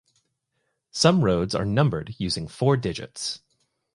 Some roads are numbered using four digits.